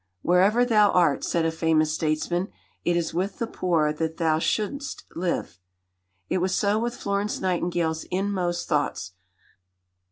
"Wherever thou art," said a famous statesman, "it is with the poor that thou should'st live." It was so with Florence Nightingale's inmost thoughts.